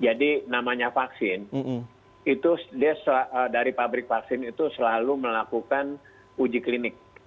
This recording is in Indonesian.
jadi namanya vaksin itu dari pabrik vaksin itu selalu melakukan uji klinik